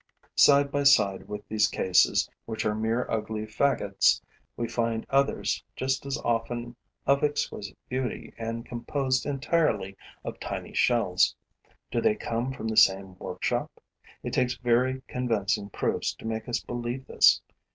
Side by side with these cases, which are mere ugly faggots, we find others just as often of exquisite beauty and composed entirely of tiny shells. Do they come from the same workshop? It takes very convincing proofs to make us believe this.